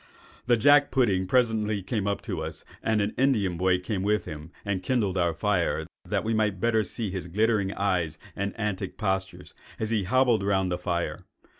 "The jack pudding presently came up to us, and an Indian boy came with him and kindled our fire, that we might see his glittering eyes and antic postures, as he hobbled round the fire.